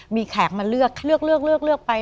มีแขกมาเลือกเลือกไป